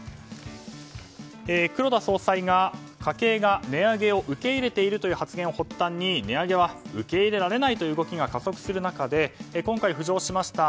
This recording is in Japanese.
黒田総裁が家計が値上げを受け入れているという発言を発端に、値上げは受け入れられないという動きが加速する中で今回浮上しました